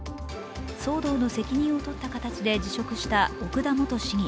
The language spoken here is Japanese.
騒動の責任を取った形で辞職した奥田元市議。